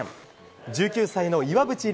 １９歳の岩渕麗